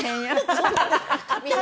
そう。